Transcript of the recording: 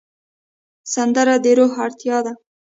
سندره د روح اړتیا ده